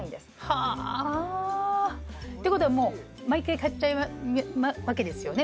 はあてことはもう毎回買っちゃうわけですよね